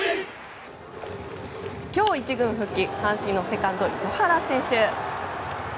今日１軍復帰、阪神のセカンド糸原選手。